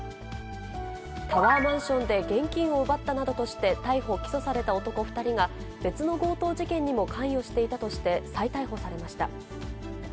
タワーマンションで現金を奪ったなどとして、逮捕・起訴された男２人が、別の強盗事件にも関与していたとして、再逮捕されました。